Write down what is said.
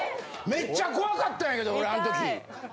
めっちゃ怖かったんやけど俺あん時。